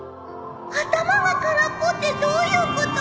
頭が空っぽってどういうこと？